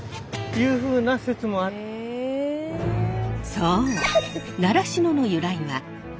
そう。